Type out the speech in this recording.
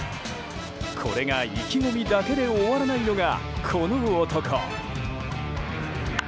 これが意気込みだけで終わらないのが、この男。